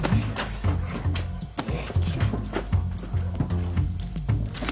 えっ。